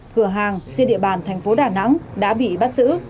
cửa hàng trên địa bàn thành phố đà nẵng đã bị bắt giữ